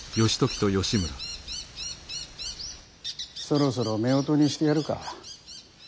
そろそろ夫婦にしてやるか。